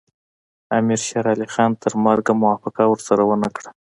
امیر شېر علي خان تر مرګه موافقه ورسره ونه کړه.